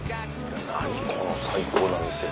何この最高な店。